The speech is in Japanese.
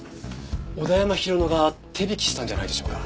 小田山浩乃が手引きしたんじゃないでしょうか？